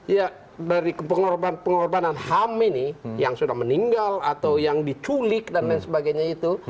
ya dari pengorbanan pengorbanan ham ini yang sudah meninggal atau yang diculik dan lain sebagainya itu